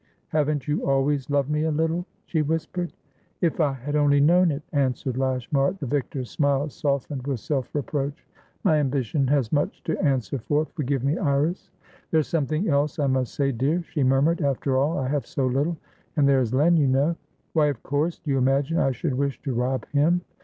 "Haven't you always loved me a little?" she whispered. "If I had only known it!" answered Lashmar, the victor's smile softened with self reproach. "My ambition has much to answer for. Forgive me, Iris." "There's something else I must say, dear," she murmured. "After all, I have so littleand there is Len, you know" "Why, of course. Do you imagine I should wish to rob him?"